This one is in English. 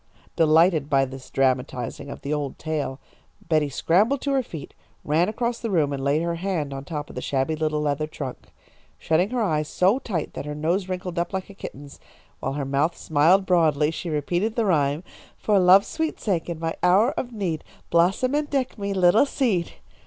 Delighted by this dramatising of the old tale, Betty scrambled to her feet, ran across the room, and laid her hand on top of the shabby little leather trunk. Shutting her eyes so tight that her nose wrinkled up like a kitten's, while her mouth smiled broadly, she repeated the rhyme: "For love's sweet sake, in my hour of need, Blossom and deck me, little seed!"